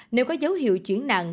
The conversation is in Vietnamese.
nếu có dấu hiệu chuyển nặng